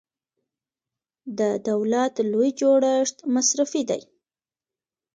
د دولت لوی جوړښت مصرفي دی.